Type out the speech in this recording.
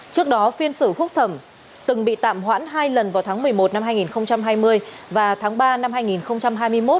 trước đó phiên xử phúc thẩm từng bị tạm hoãn hai lần vào tháng một mươi một năm hai nghìn hai mươi và tháng ba năm hai nghìn hai mươi một